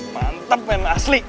mantep men asli